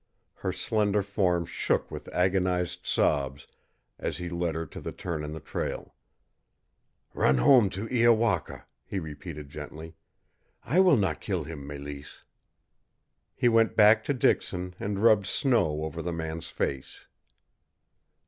Her slender form shook with agonized sobs as he led her to the turn in the trail. "Run home to Iowaka," he repeated gently. "I will not kill him, Mélisse." He went back to Dixon and rubbed snow over the man's face.